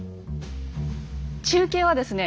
中継はですね